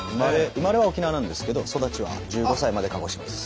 生まれは沖縄なんですけど育ちは１５歳まで鹿児島です。